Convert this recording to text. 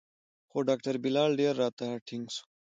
خو ډاکتر بلال ډېر راته ټينګ سو.